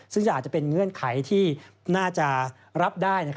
ซึ่งจะอาจจะเป็นเงื่อนไขที่น่าจะรับได้